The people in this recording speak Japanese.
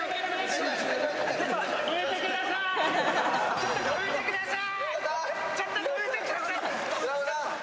ちょっと止めてください。